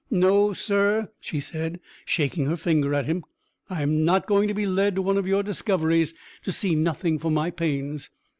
"No, sir," she said, shaking her finger at him. "I am not going to be led to one of your discoveries, to see nothing for my pains."